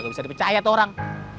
gak bisa dipercaya tuh orang